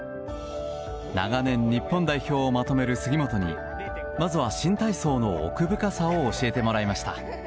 長年、日本代表をまとめる杉本にまずは新体操の奥深さを教えてもらいました。